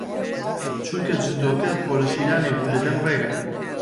چونکە جندۆکە پۆلە شیلانێک بوو لە دەم ڕێگە